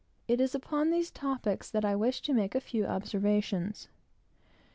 It is upon these topics that I wish to make a few observations.